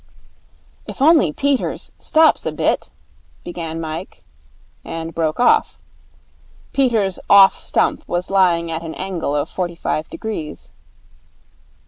'If only Peters stops a bit ' began Mike, and broke off. Peters' off stump was lying at an angle of forty five degrees.